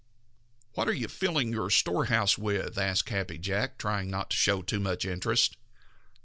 "What are you filling your storehouse with?" asked Happy Jack, trying not to show too much interest.